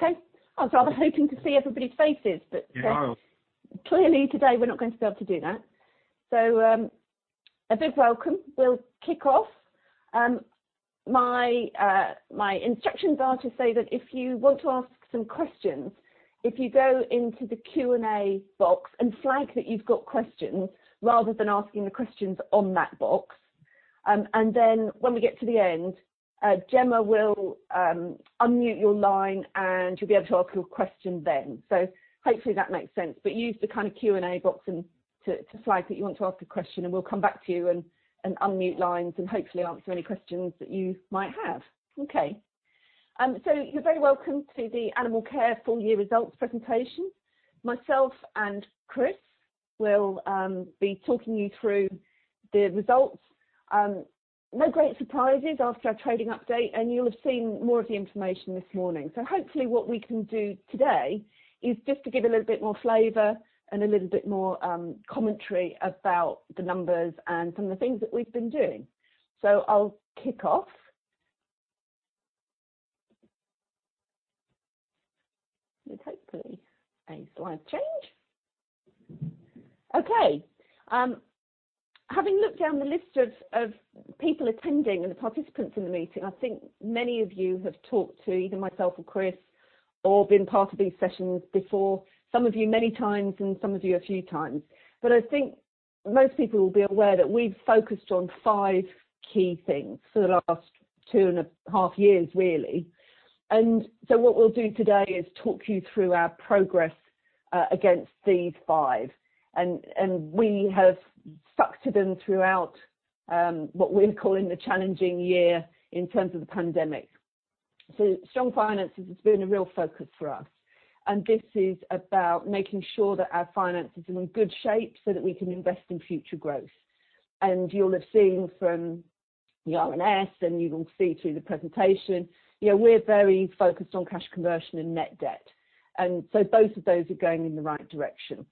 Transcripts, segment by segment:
Right. Okay. I was rather hoping to see everybody's faces. Yeah. Clearly today we're not going to be able to do that. A big welcome. We'll kick off. My instructions are to say that if you want to ask some questions, if you go into the Q&A box and flag that you've got questions, rather than asking the questions on that box, and then when we get to the end, Gemma will unmute your line, and you'll be able to ask your question then. Hopefully that makes sense. Use the Q&A box and to flag that you want to ask a question, and we'll come back to you and unmute lines and hopefully answer any questions that you might have. Okay. You're very welcome to the Animalcare full year results presentation. Myself and Chris will be talking you through the results. No great surprises after our trading update, and you'll have seen more of the information this morning. Hopefully what we can do today is just to give a little bit more flavor and a little bit more commentary about the numbers and some of the things that we've been doing. I'll kick off with hopefully a slide change. Okay. Having looked down the list of people attending and the participants in the meeting, I think many of you have talked to either myself or Chris or been part of these sessions before. Some of you many times, and some of you a few times. I think most people will be aware that we've focused on five key things for the last two and a half years, really. What we'll do today is talk you through our progress against these five. We have stuck to them throughout what we're calling the challenging year in terms of the pandemic. Strong finances has been a real focus for us, and this is about making sure that our finances are in good shape so that we can invest in future growth. You'll have seen from the RNS, and you will see through the presentation, we're very focused on cash conversion and net debt, both of those are going in the right direction.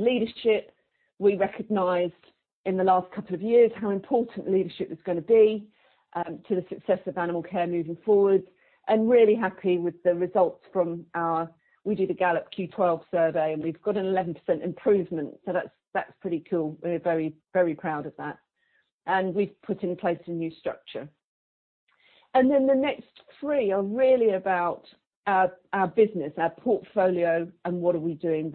Leadership, we recognized in the last couple of years how important leadership was going to be to the success of Animalcare moving forward, and really happy with the results from our Gallup Q12 survey, and we've got an 11% improvement. That's pretty cool. We're very proud of that. We've put in place a new structure. Then the next three are really about our business, our portfolio, and what are we doing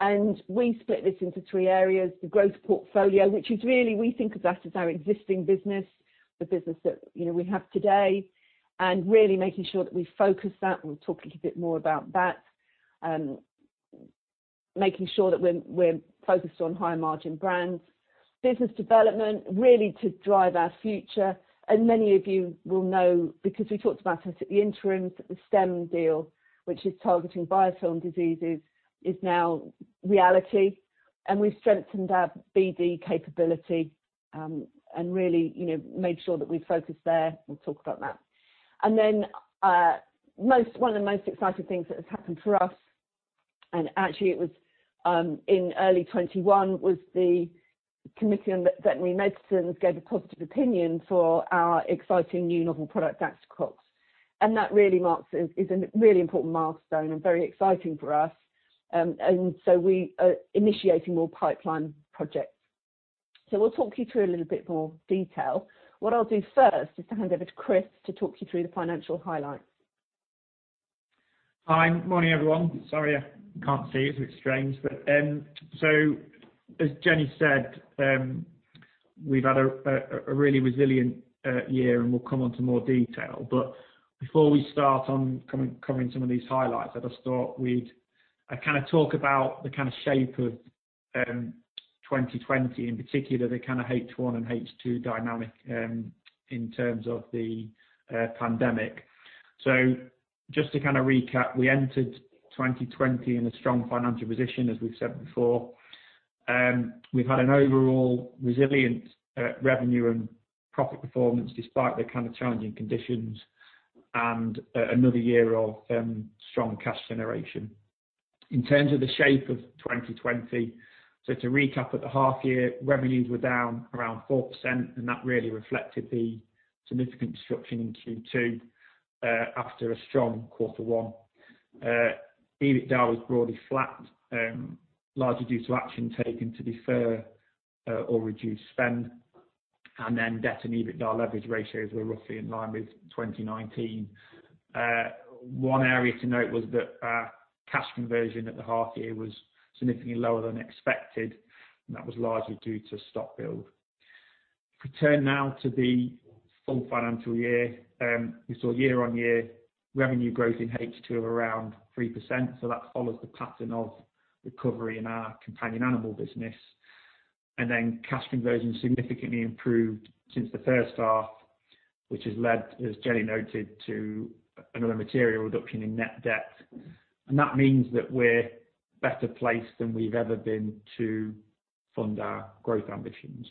there. We split this into three areas. The growth portfolio, which is really, we think of that as our existing business, the business that we have today, and really making sure that we focus that. We'll talk a little bit more about that. Making sure that we're focused on higher margin brands. Business development, really to drive our future. Many of you will know because we talked about it at the interims STEM deal, which is targeting biofilm diseases, is now reality and we've strengthened our BD capability, and really made sure that we focus there. We'll talk about that. One of the most exciting things that has happened for us, and actually it was in early 2021, was the Committee for Medicinal Products for Veterinary Use gave a positive opinion for our exciting new novel product, Daxocox. That is a really important milestone and very exciting for us. We are initiating more pipeline projects. We'll talk you through a little bit more detail. What I'll do first is to hand over to Chris to talk you through the financial highlights. Hi. Morning, everyone. Sorry I can't see you, it's a bit strange. As Jenny said, we've had a really resilient year, and we'll come onto more detail. Before we start on covering some of these highlights, I just thought we'd kind of talk about the kind of shape of 2020, in particular, the kind of H1 and H2 dynamic in terms of the pandemic. Just to kind of recap, we entered 2020 in a strong financial position, as we've said before. We've had an overall resilient revenue and profit performance despite the kind of challenging conditions and another year of strong cash generation. In terms of the shape of 2020, so to recap at the half year, revenues were down around 4%, and that really reflected the significant disruption in Q2 after a strong quarter 1. EBITDA was broadly flat, largely due to action taken to defer or reduce spend. Debt and EBITDA leverage ratios were roughly in line with 2019. One area to note was that cash conversion at the half year was significantly lower than expected, and that was largely due to stock build. We turn now to the full financial year. We saw year-on-year revenue growth in H2 of around 3%, so that follows the pattern of recovery in our Companion Animal business. Cash conversion significantly improved since the first half, which has led, as Jenny noted, to another material reduction in net debt. That means that we're better placed than we've ever been to fund our growth ambitions.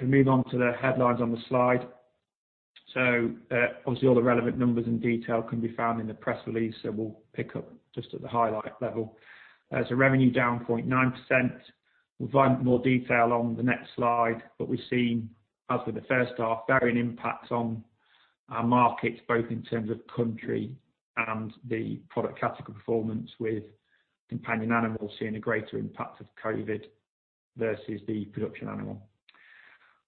We move on to the headlines on the slide. Obviously all the relevant numbers and detail can be found in the press release. We'll pick up just at the highlight level. Revenue down 0.9%. We'll provide more detail on the next slide, but we've seen, as with the first half, varying impacts on our markets, both in terms of country and the product category performance, with Companion Animal seeing a greater impact of COVID versus the Production Animal.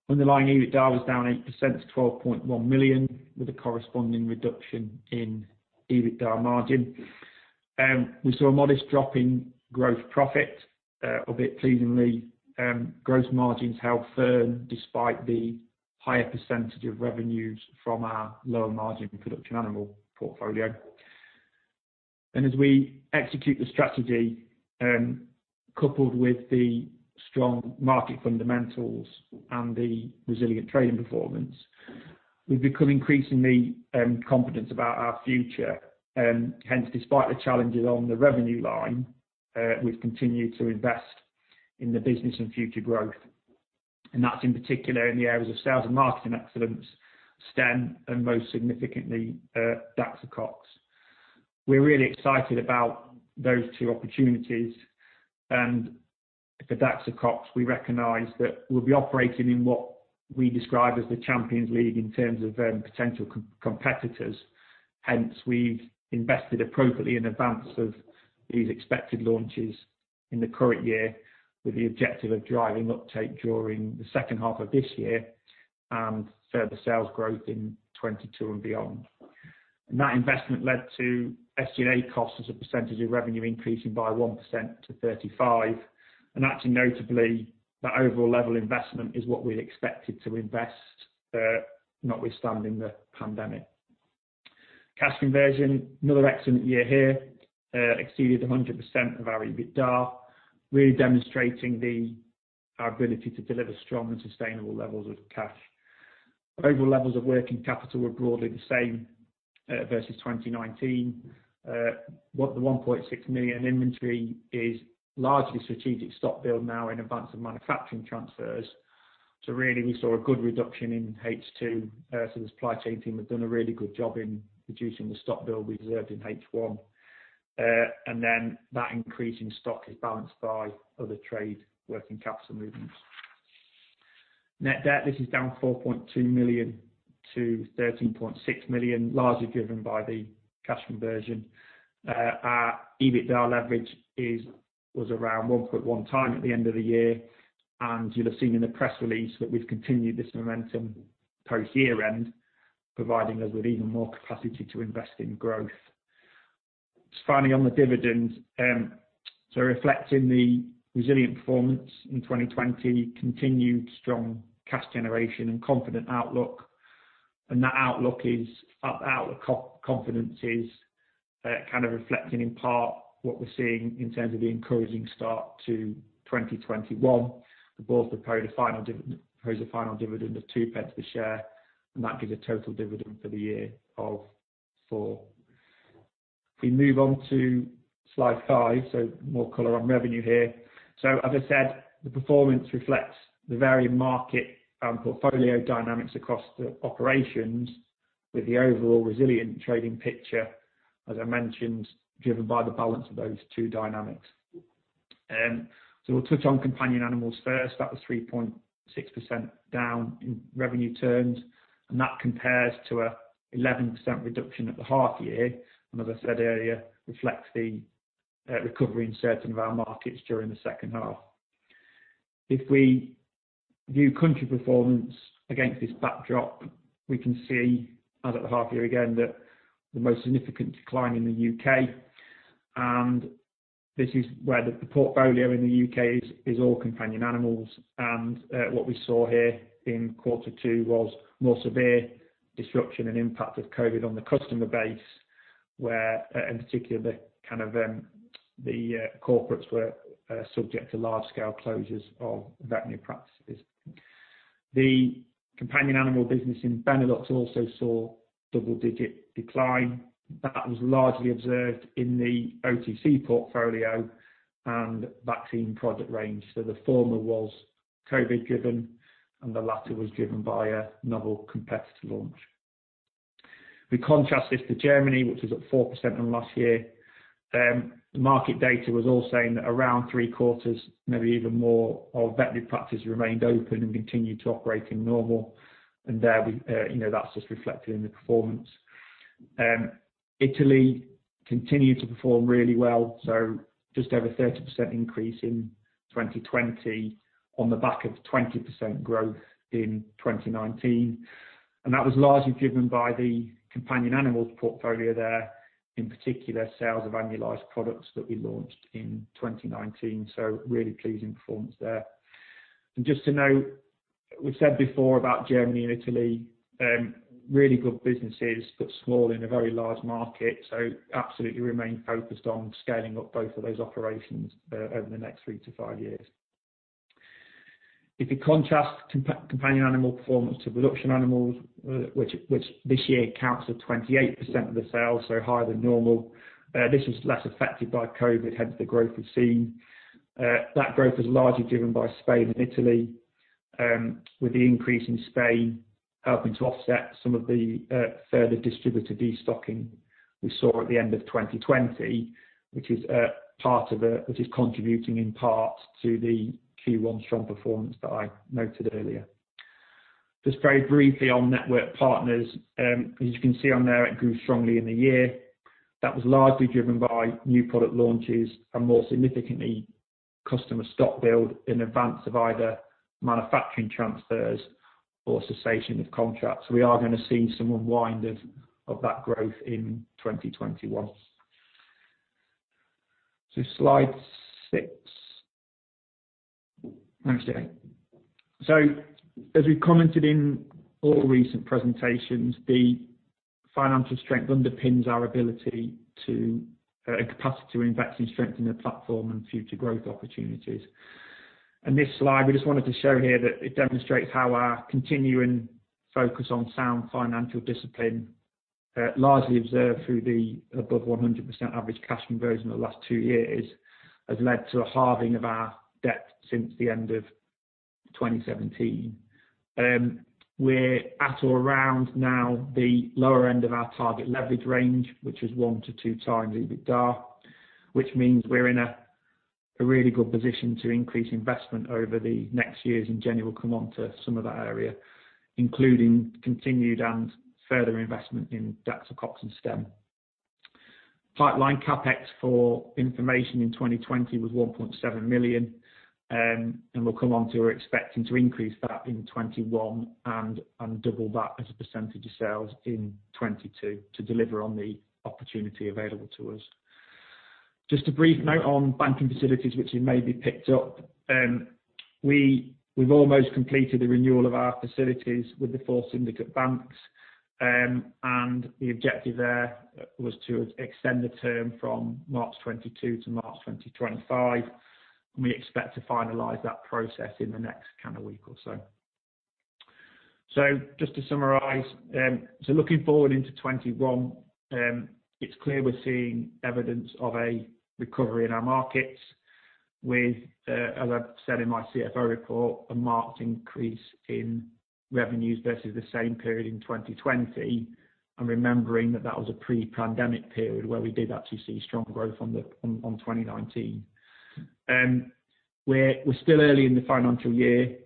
Underlying EBITDA was down 8% to 12.1 million, with a corresponding reduction in EBITDA margin. We saw a modest drop in gross profit. A bit pleasingly, gross margins held firm despite the higher percentage of revenues from our lower-margin Production Animal portfolio. As we execute the strategy, coupled with the strong market fundamentals and the resilient trading performance, we've become increasingly confident about our future. Hence, despite the challenges on the revenue line, we've continued to invest in the business and future growth. That's in particular in the areas of sales and marketing excellence, STEM, and most significantly, Daxocox. We're really excited about those two opportunities. For Daxocox, we recognize that we'll be operating in what we describe as the Champions League in terms of potential competitors. Hence, we've invested appropriately in advance of these expected launches in the current year, with the objective of driving uptake during the second half of this year and further sales growth in 2022 and beyond. That investment led to SG&A costs as a percentage of revenue increasing by 1%-35%. Actually notably, that overall level investment is what we'd expected to invest notwithstanding the pandemic. Cash conversion, another excellent year here. Exceeded 100% of our EBITDA, really demonstrating our ability to deliver strong and sustainable levels of cash. Overall levels of working capital were broadly the same versus 2019. The 1.6 million inventory is largely strategic stock build now in advance of manufacturing transfers. Really, we saw a good reduction in H2. The supply chain team have done a really good job in reducing the stock build we observed in H1. That increase in stock is balanced by other trade working capital movements. Net debt, this is down 4.2 million-13.6 million, largely driven by the cash conversion. Our EBITDA leverage was around 1.1x at the end of the year. You'll have seen in the press release that we've continued this momentum post year-end, providing us with even more capacity to invest in growth. Finally on the dividend. Reflecting the resilient performance in 2020, continued strong cash generation and confident outlook, and that outlook confidence is kind of reflecting in part what we're seeing in terms of the encouraging start to 2021. The board proposed a final dividend of 0.02 per share, and that gives a total dividend for the year of 0.04. If we move on to slide 5, more color on revenue here. As I said, the performance reflects the varying market and portfolio dynamics across the operations, with the overall resilient trading picture, as I mentioned, driven by the balance of those two dynamics. We'll touch on Companion Animals first. That was 3.6% down in revenue terms, and that compares to a 11% reduction at the half year, and as I said earlier, reflects the recovery in certain of our markets during the second half. If we view country performance against this backdrop, we can see, as at the half year again, the most significant decline in the U.K. This is where the portfolio in the U.K. is all Companion Animals. What we saw here in quarter 2 was more severe disruption and impact of COVID on the customer base, where in particular, the corporates were subject to large-scale closures of veterinary practices. The Companion Animal business in Benelux also saw double-digit decline. That was largely observed in the OTC portfolio and vaccine product range. The former was COVID driven, and the latter was given by a novel competitor launch. We contrast this to Germany, which was up 4% on last year. The market data was all saying that around three quarters, maybe even more, of veterinary practices remained open and continued to operate in normal. There, that's just reflected in the performance. Italy continued to perform really well. Just over 30% increase in 2020 on the back of 20% growth in 2019. That was largely driven by the Companion Animals portfolio there, in particular, sales of annualized products that we launched in 2019. Really pleasing performance there. Just to note, we've said before about Germany and Italy, really good businesses, but small in a very large market. Absolutely remain focused on scaling up both of those operations over the next three to five years. If you contrast Companion Animal performance to Production Animals, which this year accounts for 28% of the sales, so higher than normal. This was less affected by COVID, hence the growth we've seen. That growth was largely driven by Spain and Italy. With the increase in Spain helping to offset some of the further distributor de-stocking we saw at the end of 2020, which is contributing in part to the Q1 strong performance that I noted earlier. Just very briefly on network partners, as you can see on there, it grew strongly in the year. That was largely driven by new product launches and more significantly, customer stock build in advance of either manufacturing transfers or cessation of contracts. We are going to see some unwind of that growth in 2021. Slide 6. As we commented in all recent presentations, the financial strength underpins our ability to, and capacity to invest and strengthen the platform and future growth opportunities. In this slide, we just wanted to show here that it demonstrates how our continuing focus on sound financial discipline, largely observed through the above 100% average cash conversion in the last two years, has led to a halving of our debt since the end of 2017. We're at or around now the lower end of our target leverage range, which is 1x-2x EBITDA, which means we're in a really good position to increase investment over the next years. Jenny will come on to some of that area, including continued and further investment in Daxocox and STEM. Pipeline CapEx for information in 2020 was 1.7 million. We're expecting to increase that in 2021 and double that as a percentage of sales in 2022 to deliver on the opportunity available to us. Just a brief note on banking facilities, which you maybe picked up. We've almost completed the renewal of our facilities with the four syndicate banks. The objective there was to extend the term from March 2022 to March 2025, and we expect to finalize that process in the next week or so. Just to summarize. Looking forward into 2021, it's clear we're seeing evidence of a recovery in our markets with, as I've said in my CFO report, a marked increase in revenues versus the same period in 2020. Remembering that that was a pre-pandemic period where we did actually see strong growth on 2019. We're still early in the financial year,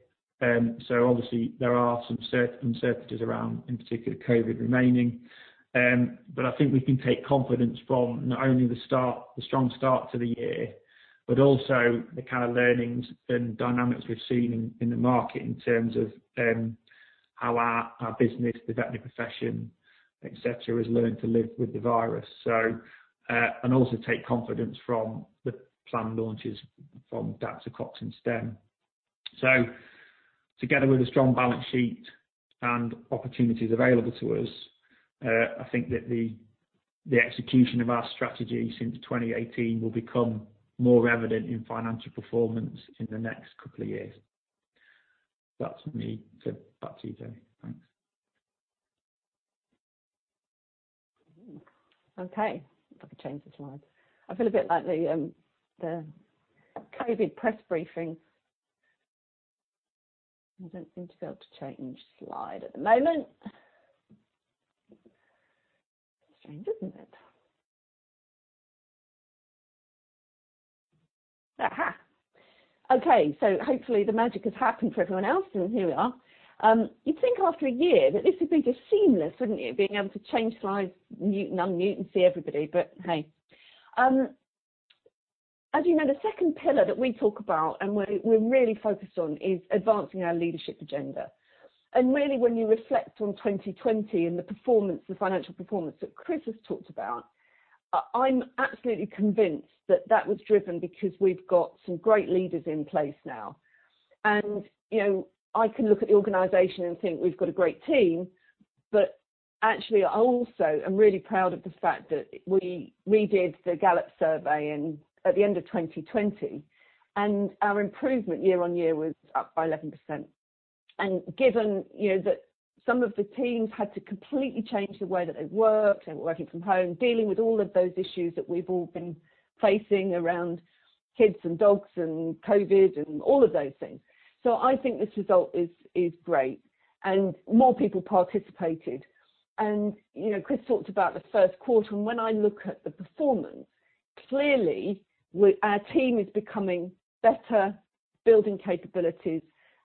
so obviously there are some uncertainties around, in particular COVID remaining. I think we can take confidence from not only the strong start to the year, but also the kind of learnings and dynamics we've seen in the market in terms of how our business, the veterinary profession, et cetera, has learned to live with the virus. Also take confidence from the planned launches from Daxocox and STEM. Together with a strong balance sheet and opportunities available to us, I think that the execution of our strategy since 2018 will become more evident in financial performance in the next couple of years. That's me. Back to you, Jenny. Thanks. Okay. If I could change the slide. I feel a bit like the COVID press briefing. I don't seem to be able to change slide at the moment. Strange, isn't it? Aha. Okay, hopefully the magic has happened for everyone else, and here we are. You'd think after a year that this would be just seamless, wouldn't it? Being able to change slides, mute and unmute, and see everybody, hey. As you know, the second pillar that we talk about and we're really focused on is advancing our leadership agenda. Really when you reflect on 2020 and the performance, the financial performance that Chris has talked about, I'm absolutely convinced that that was driven because we've got some great leaders in place now. I can look at the organization and think we've got a great team. Actually, I also am really proud of the fact that we redid the Gallup survey at the end of 2020, our improvement year-on-year was up by 11%. Given that some of the teams had to completely change the way that they worked, they were working from home, dealing with all of those issues that we've all been facing around kids and dogs and COVID and all of those things. I think this result is great. More people participated. Chris talked about the first quarter, and when I look at the performance, clearly our team is becoming better, building capabilities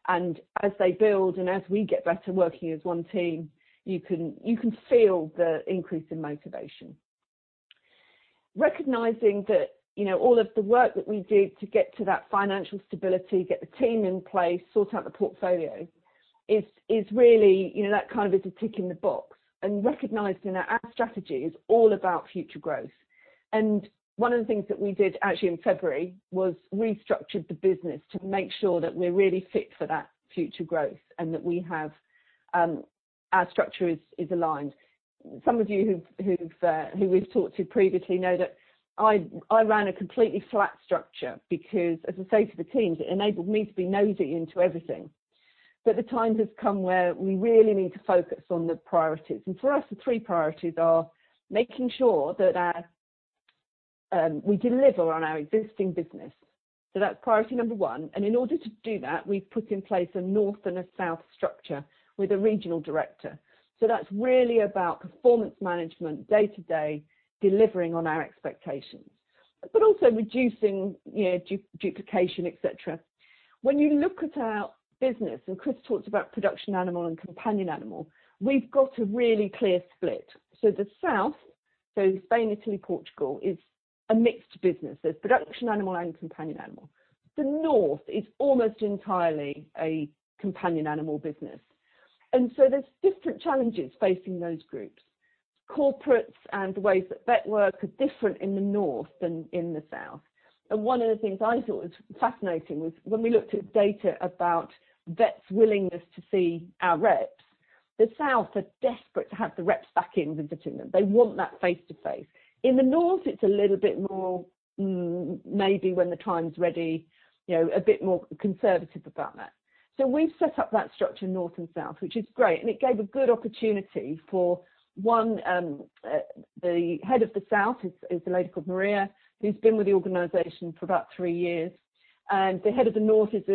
and as they build and as we get better working as one team, you can feel the increase in motivation. Recognizing that all of the work that we do to get to that financial stability, get the team in place, sort out the portfolio is really, that kind of is a tick in the box. Recognizing that our strategy is all about future growth. One of the things that we did, actually in February, was restructured the business to make sure that we're really fit for that future growth and that our structure is aligned. Some of you who we've talked to previously know that I ran a completely flat structure because as I say to the teams, it enabled me to be nosy into everything. The time has come where we really need to focus on the priorities. For us, the three priorities are making sure that we deliver on our existing business. That's priority number 1. In order to do that, we've put in place a north and a south structure with a regional director. That's really about performance management day-to-day, delivering on our expectations, but also reducing duplication, et cetera. When you look at our business, and Chris talks about production animal and companion animal, we've got a really clear split. The south, so Spain, Italy, Portugal, is a mixed business. There's production animal and companion animal. The north is almost entirely a companion animal business. There's different challenges facing those groups. Corporates and the ways that vet work are different in the north than in the south. One of the things I thought was fascinating was when we looked at data about vets' willingness to see our reps. The south are desperate to have the reps back in visiting them. They want that face-to-face. In the north, it's a little bit more, "Mm, maybe when the time's ready." A bit more conservative about that. We've set up that structure, north and south, which is great, and it gave a good opportunity for one, the head of the south is a lady called Maria, who's been with the organization for about three years. The head of the north is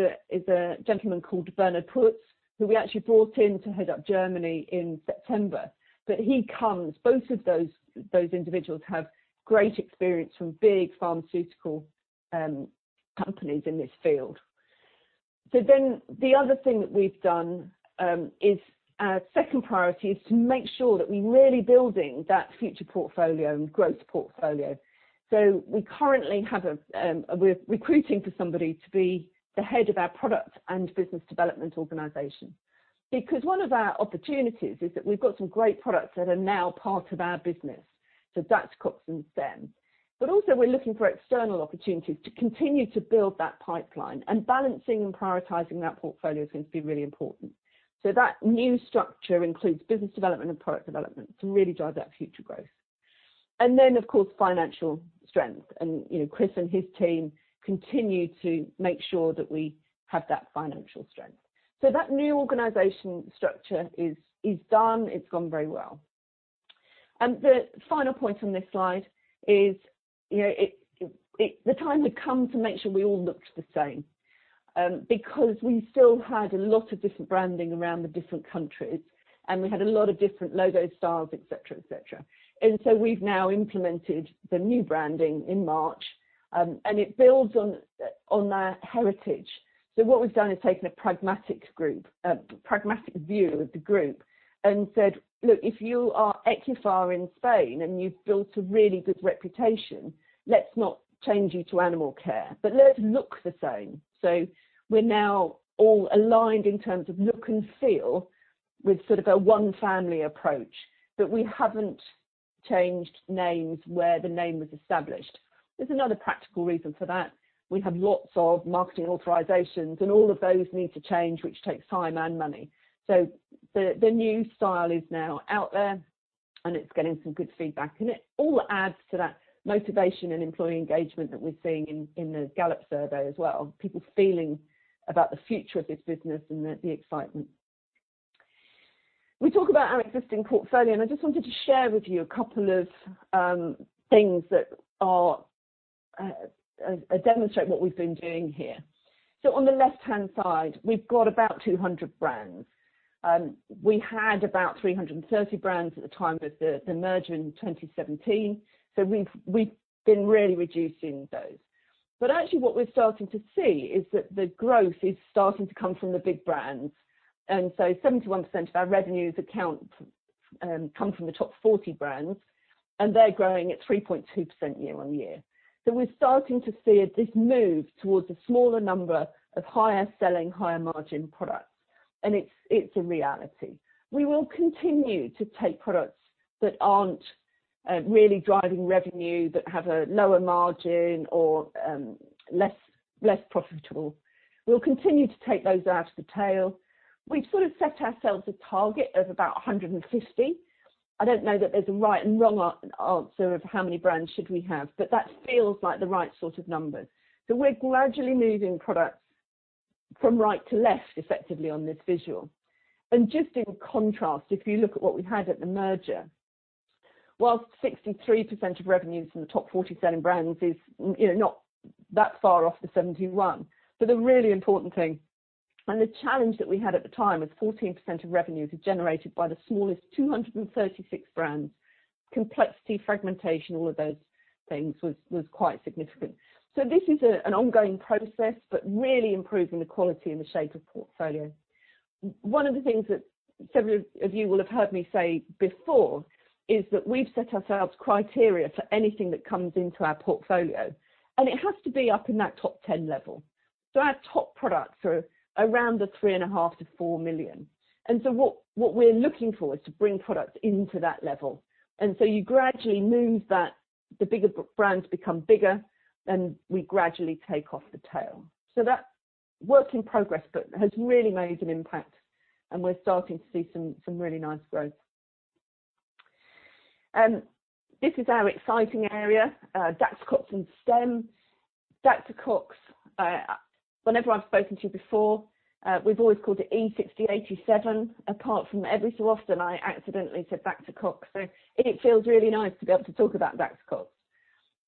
a gentleman called Bernhard Putz, who we actually brought in to head up Germany in September. He comes, both of those individuals have great experience from big pharmaceutical companies in this field. The other thing that we've done is our second priority is to make sure that we're really building that future portfolio and growth portfolio. We're recruiting for somebody to be the head of our product and business development organization. One of our opportunities is that we've got some great products that are now part of our business. Daxocox and STEM. Also we're looking for external opportunities to continue to build that pipeline and balancing and prioritizing that portfolio is going to be really important. That new structure includes business development and product development to really drive that future growth. Then, of course, financial strength. Chris and his team continue to make sure that we have that financial strength. That new organization structure is done. It's gone very well. The final point on this slide is the time had come to make sure we all looked the same, because we still had a lot of different branding around the different countries, and we had a lot of different logo styles, et cetera. We've now implemented the new branding in March, and it builds on our heritage. What we've done is taken a pragmatic view of the group and said, "Look, if you are Ecuphar in Spain and you've built a really good reputation, let's not change you to Animalcare, but let's look the same." We're now all aligned in terms of look and feel with sort of a one family approach, but we haven't changed names where the name was established. There's another practical reason for that. We have lots of marketing authorizations, and all of those need to change, which takes time and money. The new style is now out there, and it's getting some good feedback, and it all adds to that motivation and employee engagement that we're seeing in the Gallup survey as well, people feeling about the future of this business and the excitement. We talk about our existing portfolio, and I just wanted to share with you a couple of things that demonstrate what we've been doing here. On the left-hand side, we've got about 200 brands. We had about 330 brands at the time of the merger in 2017. We've been really reducing those. Actually what we're starting to see is that the growth is starting to come from the big brands. 71% of our revenues come from the top 40 brands, and they're growing at 3.2% year-on-year. We're starting to see this move towards a smaller number of higher selling, higher margin products. It's a reality. We will continue to take products that aren't really driving revenue, that have a lower margin or less profitable. We'll continue to take those out of the tail. We've sort of set ourselves a target of about 150. I don't know that there's a right and wrong answer of how many brands should we have, but that feels like the right sort of number. We're gradually moving products from right to left effectively on this visual. Just in contrast, if you look at what we had at the merger, whilst 63% of revenues from the top 40 selling brands is not that far off the 71%. The really important thing, and the challenge that we had at the time was 14% of revenues were generated by the smallest 236 brands. Complexity, fragmentation, all of those things was quite significant. This is an ongoing process, but really improving the quality and the shape of portfolio. One of the things that several of you will have heard me say before is that we've set ourselves criteria for anything that comes into our portfolio, and it has to be up in that top 10 level. Our top products are around the 3.5 million-4 million. What we're looking for is to bring products into that level. You gradually move that. The bigger brands become bigger, and we gradually take off the tail. That's work in progress but has really made an impact, and we're starting to see some really nice growth. This is our exciting area, Daxocox and STEM. Daxocox, whenever I've spoken to you before, we've always called it E6087, apart from every so often, I accidentally said Daxocox. It feels really nice to be able to talk about Daxocox.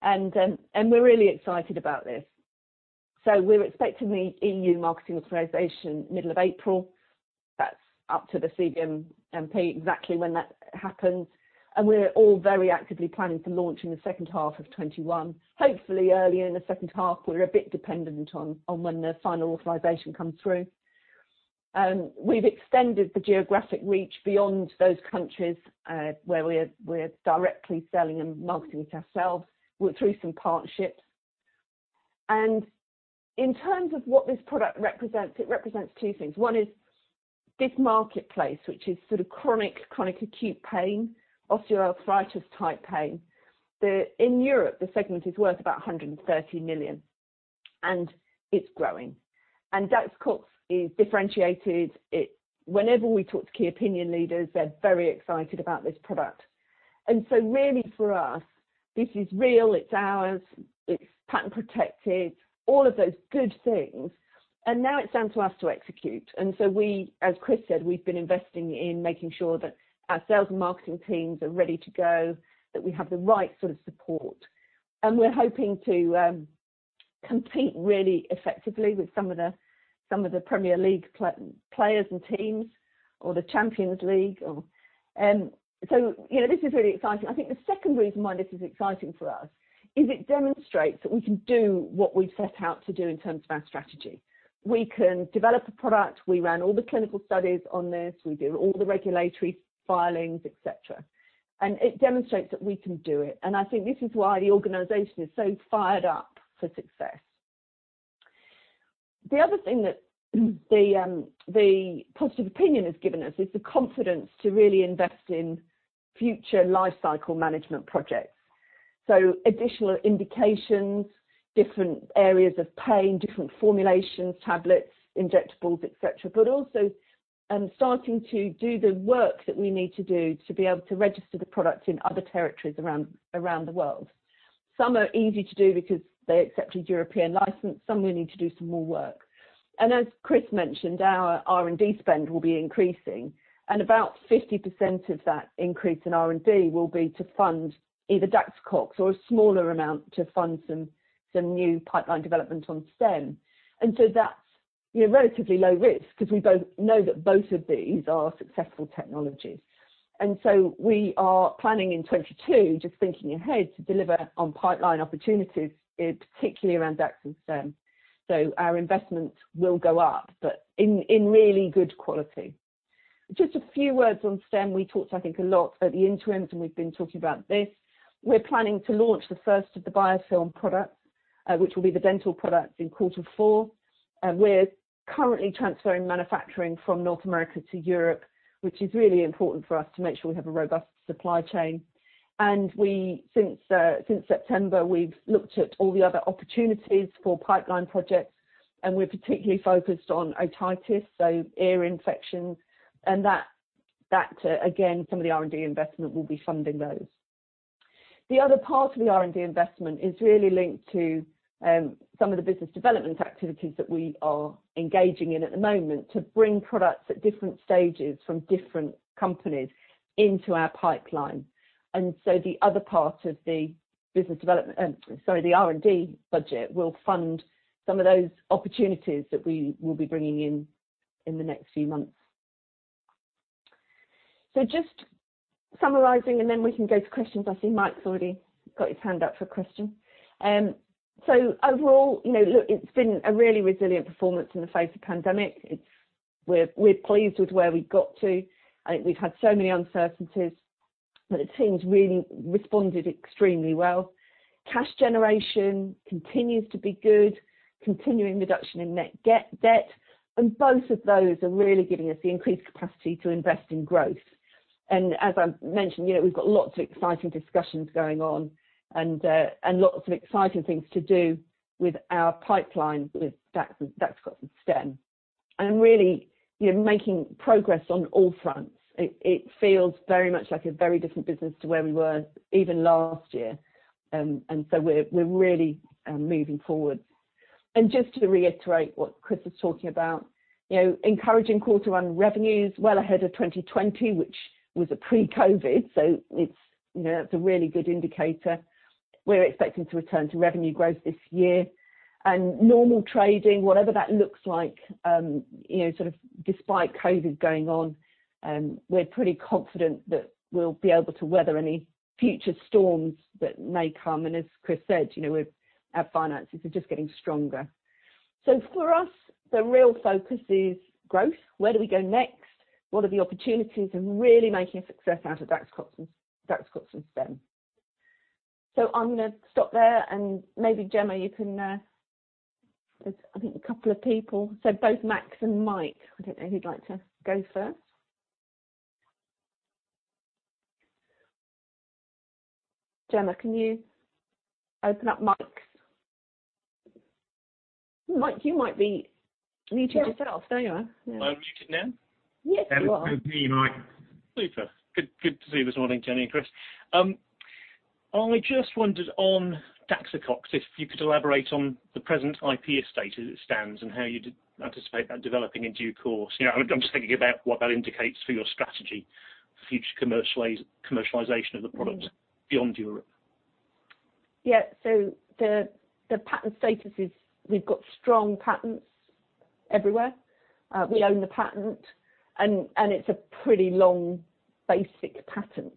We're really excited about this. We're expecting the EU marketing authorization middle of April. That's up to the CVMP, exactly when that happens. We're all very actively planning for launch in the second half of 2021, hopefully earlier in the second half. We're a bit dependent on when the final authorization comes through. We've extended the geographic reach beyond those countries where we're directly selling and marketing it ourselves through some partnerships. In terms of what this product represents, it represents two things. One is this marketplace, which is sort of chronic acute pain, osteoarthritis-type pain. In Europe, the segment is worth about 130 million, and it's growing. Daxocox is differentiated. Whenever we talk to key opinion leaders, they're very excited about this product. Really for us, this is real, it's ours, it's patent protected, all of those good things. Now it's down to us to execute. We, as Chris said, we've been investing in making sure that our sales and marketing teams are ready to go, that we have the right sort of support. We're hoping to compete really effectively with some of the Premier League players and teams or the Champions League. This is really exciting. I think the second reason why this is exciting for us is it demonstrates that we can do what we've set out to do in terms of our strategy. We can develop a product. We ran all the clinical studies on this. We do all the regulatory filings, et cetera. It demonstrates that we can do it. I think this is why the organization is so fired up for success. The other thing that the positive opinion has given us is the confidence to really invest in future life cycle management projects. Additional indications, different areas of pain, different formulations, tablets, injectables, et cetera, but also starting to do the work that we need to do to be able to register the product in other territories around the world. Some are easy to do because they accepted European license. Some we need to do some more work. As Chris mentioned, our R&D spend will be increasing, about 50% of that increase in R&D will be to fund either Daxocox or a smaller amount to fund some new pipeline development on STEM Animal Health. That's relatively low risk because we know that both of these are successful technologies. We are planning in 2022, just thinking ahead, to deliver on pipeline opportunities, particularly around Daxocox and STEM Animal Health. Our investment will go up, but in really good quality. A few words on STEM Animal Health. We talked, I think, a lot at the interims, and we've been talking about this. We're planning to launch the first of the biofilm products, which will be the dental products in Q4. We're currently transferring manufacturing from North America to Europe, which is really important for us to make sure we have a robust supply chain. Since September, we've looked at all the other opportunities for pipeline projects, and we're particularly focused on otitis, so ear infections, and that, again, some of the R&D investment will be funding those. The other part of the R&D investment is really linked to some of the business development activities that we are engaging in at the moment to bring products at different stages from different companies into our pipeline. The other part of the R&D budget will fund some of those opportunities that we will be bringing in in the next few months. Just summarizing, and then we can go to questions. I see Mike's already got his hand up for a question. Overall, look, it's been a really resilient performance in the face of pandemic. We're pleased with where we got to. I think we've had so many uncertainties, but the teams really responded extremely well. Cash generation continues to be good, continuing reduction in net debt, and both of those are really giving us the increased capacity to invest in growth. As I mentioned, we've got lots of exciting discussions going on and lots of exciting things to do with our pipeline with Daxocox and STEM. Really making progress on all fronts. It feels very much like a very different business to where we were even last year. So we're really moving forward. Just to reiterate what Chris was talking about, encouraging quarter on revenues well ahead of 2020, which was a pre-COVID, so it's a really good indicator. We're expecting to return to revenue growth this year. Normal trading, whatever that looks like, despite COVID going on, we're pretty confident that we'll be able to weather any future storms that may come. As Chris said, our finances are just getting stronger. For us, the real focus is growth. Where do we go next? What are the opportunities and really making a success out of Daxocox and STEM. I'm going to stop there and maybe Gemma, you can. There's I think a couple of people, both Max and Mike. I don't know who'd like to go first. Gemma, can you open up Mike's? You might be muted yourself. There you are. Yeah. Am I unmuted now? Yes, you are. Yeah, that's me, Mike. Super. Good to see you this morning, Jenny and Chris. I just wondered on Daxocox, if you could elaborate on the present IP estate as it stands and how you'd anticipate that developing in due course. I'm just thinking about what that indicates for your strategy for future commercialization of the product beyond Europe. Yeah. The patent status is we've got strong patents everywhere. We own the patent, and it's a pretty long basic patent.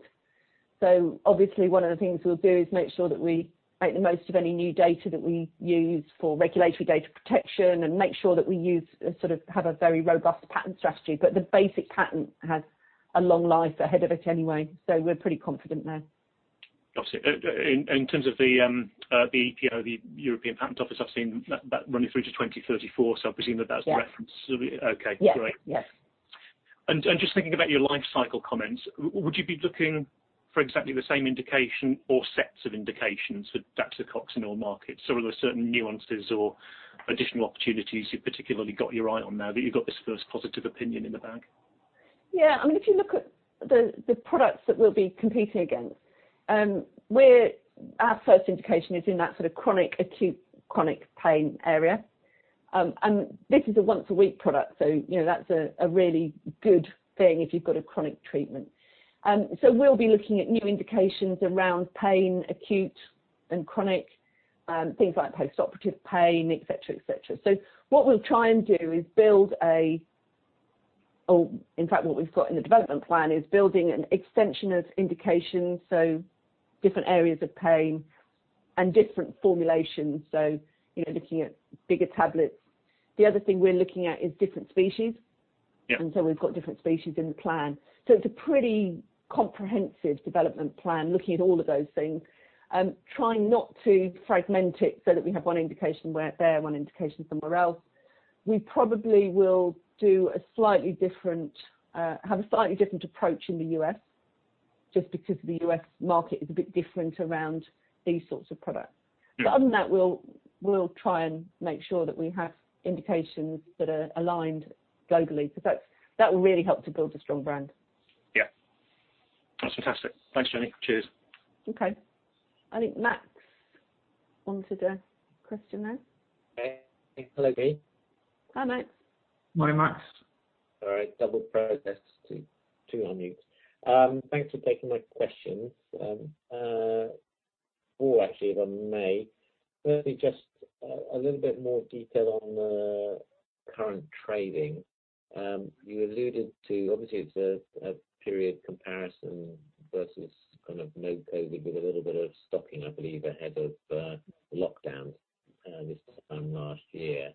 Obviously one of the things we'll do is make sure that we make the most of any new data that we use for regulatory data protection and make sure that we have a very robust patent strategy. The basic patent has a long life ahead of it anyway, so we're pretty confident there. Got it. In terms of the EPO, the European Patent Office, I've seen that running through to 2034, so I presume that- Yeah ..the reference. Okay. Yeah. Great. Yes. Just thinking about your life cycle comments, would you be looking for exactly the same indication or sets of indications for Daxocox in all markets? Are there certain nuances or additional opportunities you've particularly got your eye on now that you've got this first positive opinion in the bag? Yeah. If you look at the products that we'll be competing against, our first indication is in that sort of chronic, acute chronic pain area. This is a once-a-week product, so that's a really good thing if you've got a chronic treatment. We'll be looking at new indications around pain, acute and chronic, things like postoperative pain, et cetera. What we'll try and do is, or in fact, what we've got in the development plan is building an extension of indications, so different areas of pain and different formulations, so looking at bigger tablets. The other thing we're looking at is different species. Yeah. We've got different species in the plan. It's a pretty comprehensive development plan, looking at all of those things, trying not to fragment it so that we have one indication there, one indication somewhere else. We probably will have a slightly different approach in the U.S. just because the U.S. market is a bit different around these sorts of products. Yeah. Other than that, we'll try and make sure that we have indications that are aligned globally because that will really help to build a strong brand. Yeah. That's fantastic. Thanks, Jenny. Cheers. Okay. I think Max wanted a question there. Hey. Hello, Jenny. Hi, Max. Morning, Max. Sorry. Double press to unmute. Thanks for taking my questions. Actually, if I may, firstly, just a little bit more detail on the current trading. You alluded to, obviously it's a period comparison versus no COVID with a little bit of stocking, I believe, ahead of the lockdowns this time last year.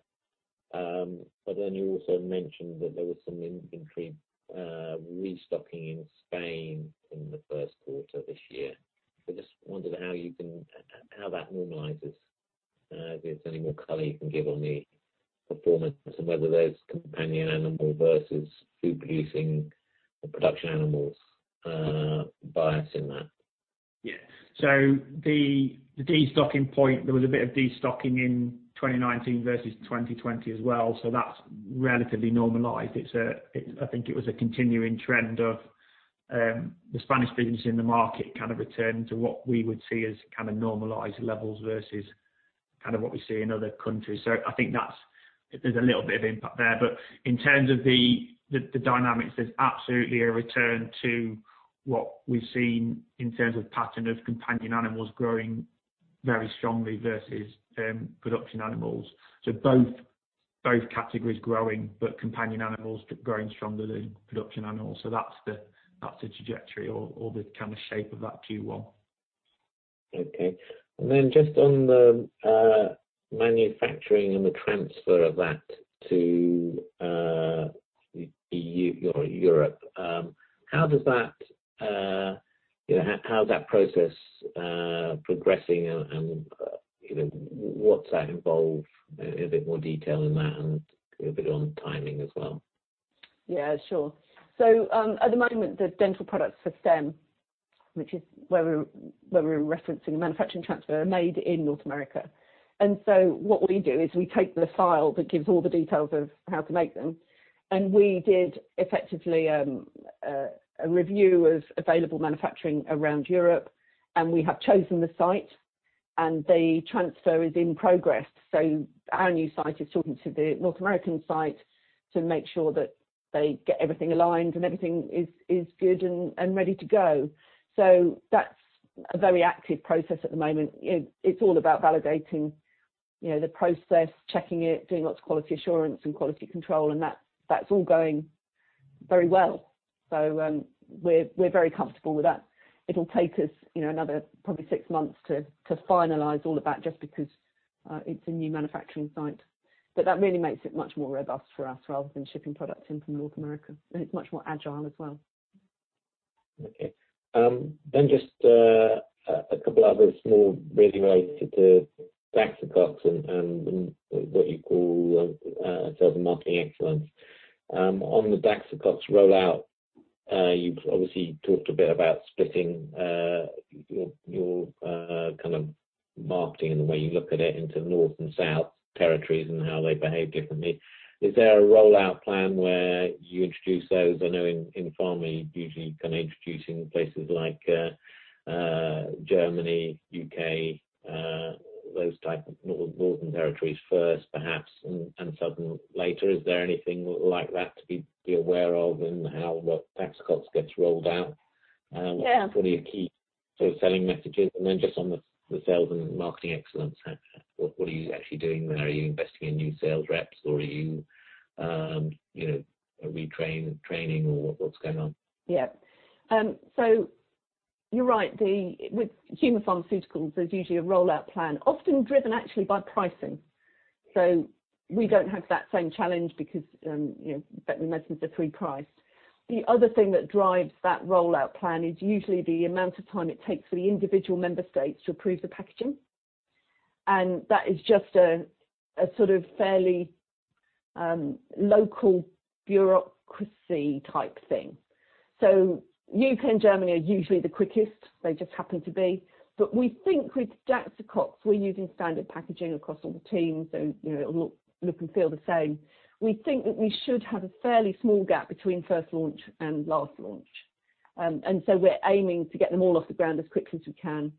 You also mentioned that there was some inventory restocking in Spain in the first quarter this year. I just wondered how that normalizes. If there's any more color you can give on the performance and whether there's companion animal versus food-producing or production animals bias in that. Yeah. The destocking point, there was a bit of destocking in 2019 versus 2020 as well, so that's relatively normalized. I think it was a continuing trend of the Spanish business in the market kind of returning to what we would see as normalized levels versus what we see in other countries. I think there's a little bit of impact there. In terms of the dynamics, there's absolutely a return to what we've seen in terms of pattern of companion animals growing very strongly versus production animals. Both categories growing, but companion animals growing stronger than production animals. That's the trajectory or the kind of shape of that Q1. Okay. Just on the manufacturing and the transfer of that to Europe, how's that process progressing, and what's that involve? A bit more detail on that and a little bit on timing as well. Sure. At the moment, the dental products for STEM, which is where we're referencing the manufacturing transfer, are made in North America. What we do is we take the file that gives all the details of how to make them, and we did effectively a review of available manufacturing around Europe, and we have chosen the site and the transfer is in progress. Our new site is talking to the North American site to make sure that they get everything aligned and everything is good and ready to go. That's a very active process at the moment. It's all about validating the process, checking it, doing lots of quality assurance and quality control, and that's all going very well. We're very comfortable with that. It'll take us another probably six months to finalize all of that just because it's a new manufacturing site. That really makes it much more robust for us rather than shipping products in from North America, and it's much more agile as well. Okay. Just a couple other small, really related to Daxocox and what you call sales and marketing excellence. On the Daxocox rollout. You've obviously talked a bit about splitting your marketing and the way you look at it into North and South territories and how they behave differently. Is there a rollout plan where you introduce those? I know in pharma, you're usually introducing places like Germany, U.K., those type of northern territories first, perhaps, and southern later. Is there anything like that to be aware of in how Daxocox gets rolled out? Yeah. What are your key selling messages? Just on the sales and marketing excellence, what are you actually doing there? Are you investing in new sales reps or are you training or what's going on? Yeah. You're right. With human pharmaceuticals, there's usually a rollout plan, often driven actually by pricing. We don't have that same challenge because veterinary medicines are free price. The other thing that drives that rollout plan is usually the amount of time it takes for the individual member states to approve the packaging. That is just a fairly local bureaucracy type thing. U.K. and Germany are usually the quickest. They just happen to be. We think with Daxocox, we're using standard packaging across all the teams, it'll look and feel the same. We think that we should have a fairly small gap between first launch and last launch. We're aiming to get them all off the ground as quickly as we can,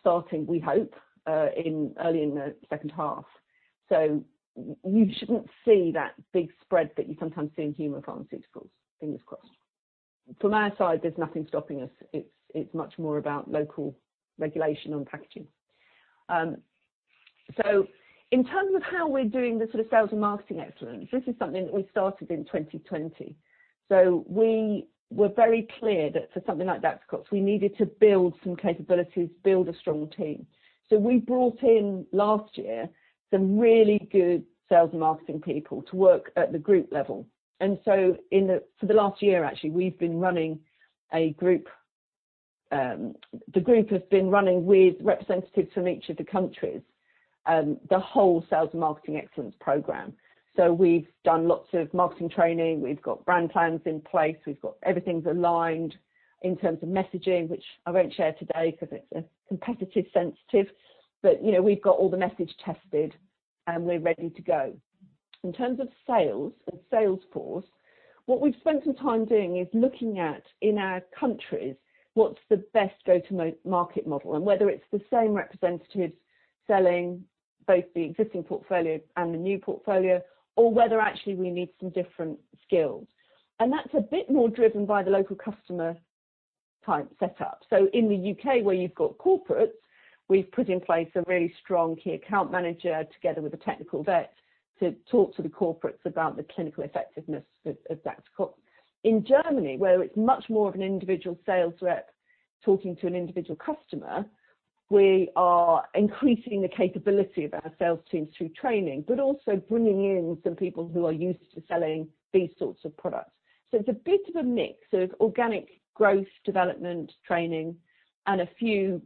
starting, we hope, early in the second half. You shouldn't see that big spread that you sometimes see in human pharmaceuticals. Fingers crossed. From our side, there's nothing stopping us. It's much more about local regulation on packaging. In terms of how we're doing the Sales and Marketing Excellence, this is something that we started in 2020. We were very clear that for something like Daxocox, we needed to build some capabilities, build a strong team. We brought in last year, some really good sales and marketing people to work at the group level. For the last year, actually, we've been running a group. The group has been running with representatives from each of the countries, the whole Sales and Marketing Excellence program. We've done lots of marketing training. We've got brand plans in place. We've got everything's aligned in terms of messaging, which I won't share today because it's competitive sensitive. We've got all the message tested and we're ready to go. In terms of sales, the sales force, what we've spent some time doing is looking at, in our countries, what's the best go-to-market model, and whether it's the same representatives selling both the existing portfolio and the new portfolio, or whether actually we need some different skills. That's a bit more driven by the local customer type set up. In the U.K. where you've got corporates, we've put in place a really strong key account manager together with a technical vet to talk to the corporates about the clinical effectiveness of Daxocox. In Germany, where it's much more of an individual sales rep talking to an individual customer, we are increasing the capability of our sales teams through training, but also bringing in some people who are used to selling these sorts of products. It's a bit of a mix of organic growth, development, training, and a few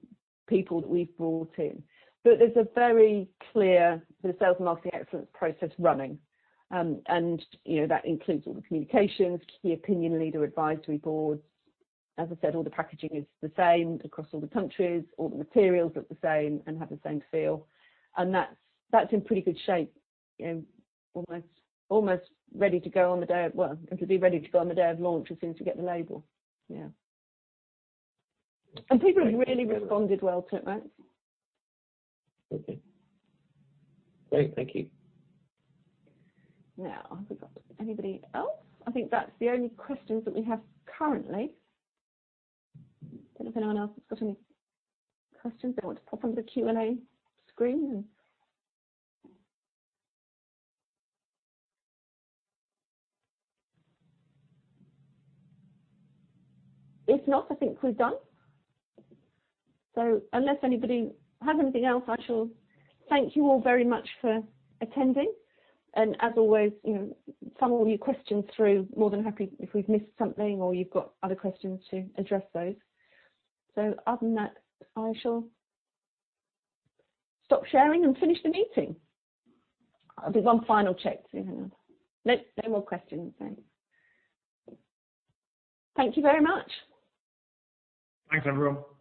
people that we've brought in. There's a very clear Sales and Marketing Excellence process running. That includes all the communications, key opinion leader, advisory boards. As I said, all the packaging is the same across all the countries, all the materials look the same and have the same feel. That's in pretty good shape. Almost ready to go on the day of launch as soon as we get the label. Yeah. People have really responded well to it, Max. Okay. Great. Thank you. Have we got anybody else? I think that's the only questions that we have currently. Don't know if anyone else has got any questions they want to pop on the Q&A screen. If not, I think we're done. Unless anybody has anything else, I shall thank you all very much for attending. As always, funnel all your questions through. More than happy if we've missed something or you've got other questions to address those. Other than that, I shall stop sharing and finish the meeting. There's one final check. Hang on. No more questions. Thanks. Thank you very much. Thanks, everyone.